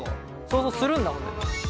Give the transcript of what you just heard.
想像するんだもんね。